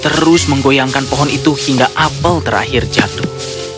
terus menggoyangkan pohon itu hingga apel terakhir jatuh